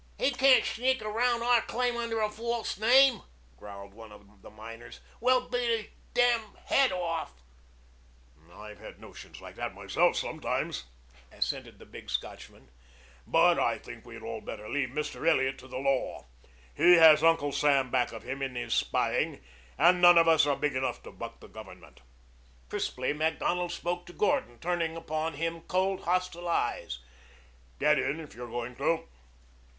"He can't sneak around our claim under a false name," growled one of the miners. "We'll beat his damn head off." "I've had notions like that myself sometimes," assented the big Scotchman. "But I think we had all better leave Mr. Elliot to the law. He has Uncle Sam back of him in his spying, and none of us are big enough to buck the Government." Crisply Macdonald spoke to Gordon, turning upon him cold, hostile eyes. "Get in if you're going to."